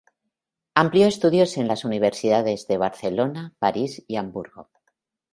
Amplió estudios en las Universidades de Barcelona, París y Hamburgo.